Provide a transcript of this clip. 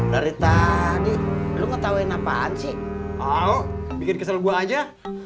dari tadi lu ngertawain apaan sih bikin kesel gua aja